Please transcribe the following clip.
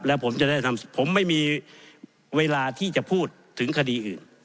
แล้วผมจะได้ทำผมไม่มีเวลาที่จะพูดถึงคดีอื่น